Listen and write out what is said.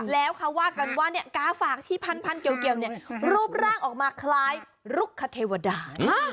แล้วเขาว่ากันว่ากาฝากที่พันเกี่ยวรูปร่างออกมาคล้ายลุกคเทวดา